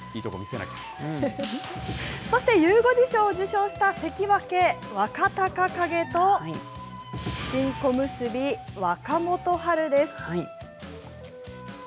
そしてゆう５時賞を受賞した関脇・若隆景と、新小結・若元春です。